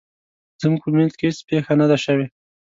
زموږ په مینځ کې هیڅ پیښه نه ده شوې